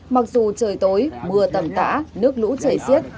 mặc dù trời tối mưa tẩm tả nước lũ chảy xiết